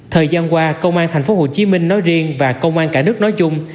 thời gian qua công an thành phố hồ chí minh nói riêng và công an cả nước nói chung